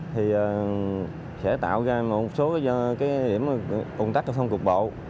thì sẽ tạo ra một số cái điểm ồn tắc trong thông cục bộ